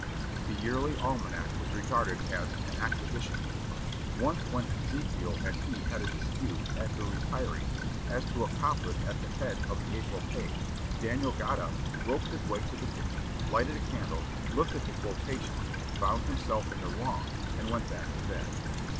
The yearly almanac was regarded as "an acquisition." Once when Ezekiel and he had a dispute, after retiring, as to a couplet at the head of the April page, Daniel got up, groped his way to the kitchen, lighted a candle, looked at the quotation, found himself in the wrong, and went back to bed.